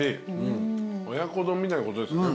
親子丼みたいなことですよね？